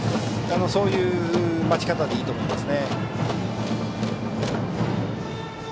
そういう待ち方でいいと思います。